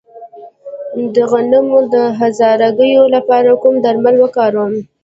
د غنمو د هرزه ګیاوو لپاره کوم درمل وکاروم؟